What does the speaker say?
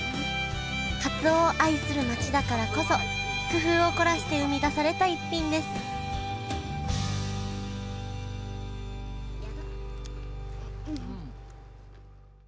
かつおを愛する町だからこそ工夫を凝らして生み出された逸品ですいや。